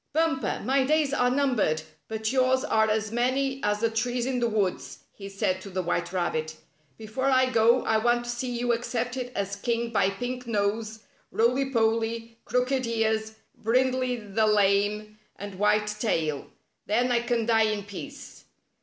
"Bumper, my days are numbered, but yours are as many as the trees in the woods," he said to the White Rabbit. " Before I go I want to see you accepted as king by Pink Nose, Roily Polly, Crooked Ears, Brindley the Lame and White Tail. Then I can die in peace."